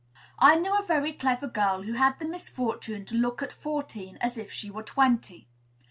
I knew a very clever girl, who had the misfortune to look at fourteen as if she were twenty.